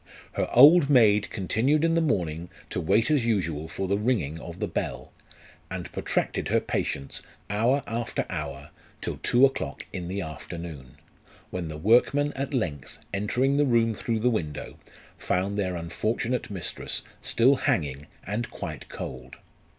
Her old maid continued in the morning to wait as usual for the ringing of the bell, and protracted her patience, hour after hour, till two o'clock in the afternoon ; when the workmen at length entering the room through the window, found their unfortunate mistress still hanging and quite cold.